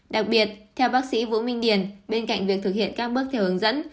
đặc biệt theo bác sĩ vũ minh điền bên cạnh việc thực hiện các bước theo hướng dẫn